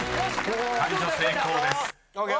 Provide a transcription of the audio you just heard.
解除成功です］